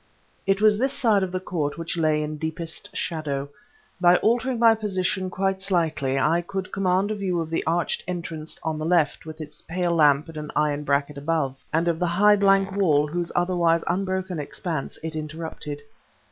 It was this side of the court which lay in deepest shadow. By altering my position quite slightly I could command a view of the arched entrance on the left with its pale lamp in an iron bracket above, and of the high blank wall whose otherwise unbroken expanse it interrupted.